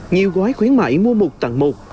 nhiều gói khuyến mãi mua một tặng một